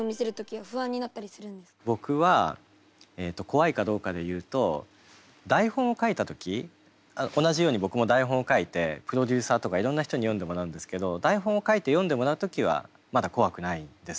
僕は怖いかどうかで言うと台本を書いた時同じように僕も台本を書いてプロデューサーとかいろんな人に読んでもらうんですけど台本を書いて読んでもらう時はまだ怖くないです。